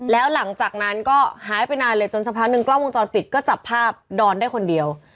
แล้วหลังจากนั้นก็หายไปนานเลยจนสักพักหนึ่งกล้องวงจรปิดก็จับภาพดอนได้คนเดียว